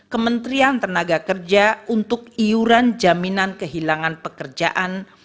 kementerian tenaga kerja untuk iuran jaminan kehilangan pekerjaan